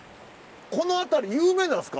この辺り有名なんすか？